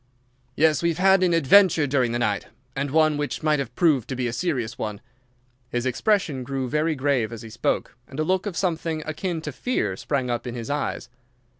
"Yes, we have had an adventure during the night, and one which might have proved to be a serious one." His expression grew very grave as he spoke, and a look of something akin to fear sprang up in his eyes.